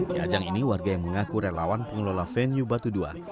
di ajang ini warga yang mengaku relawan pengelola venue batu dua